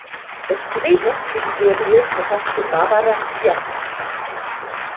Das Drehbuch für die Serie verfasste Barbara Piazza.